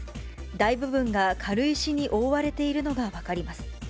大部分が軽石に覆われているのが分かります。